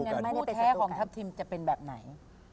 ถ้าอย่างนั้นคู่แท้ของทัพทิมจะเป็นแบบไหน